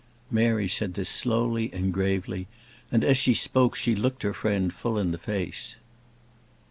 Mary said this slowly and gravely, and as she spoke she looked her friend full in the face.